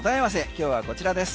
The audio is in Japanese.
今日はこちらです。